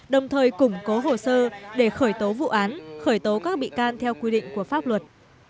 đồng thời củng cố hồ sơ để khởi tố vụ án khởi tố các bị can theo quy định của pháp luật